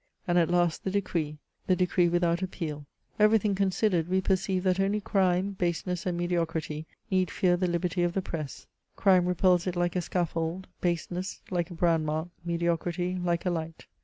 And at last the decree, the decree without appeal. '* Every thing considered, we perceive that only crime, baseness, and mediocrity need fear the liberty of the press — crime repels it like a scaffold, baseness like a brand mark, mediocrity like a light.